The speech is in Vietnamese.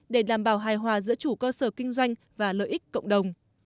để đảm bảo hài hòa giữa chủ cơ sở kinh doanh và lợi ích cộng đồng